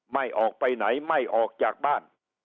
ไม่ออกไปไหนไม่ออกจากบ้าน